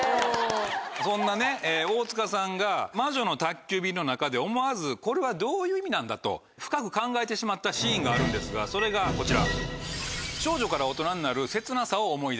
そんな大塚さんが『魔女の宅急便』の中で思わずこれはどういう意味なんだと深く考えてしまったシーンがあるんですがそれがこちら。